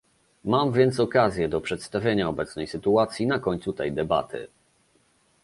Mam więc okazję do przedstawienia obecnej sytuacji na końcu tej debaty